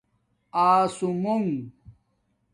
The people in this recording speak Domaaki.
اسُومُونگ